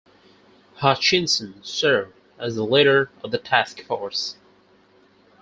Hutchinson served as the leader of the task force.